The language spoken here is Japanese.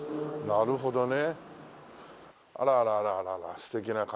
なるほどね。